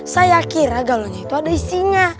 saya kira galunya itu ada isinya